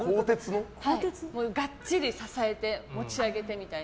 がっちり支えて持ち上げてみたいな。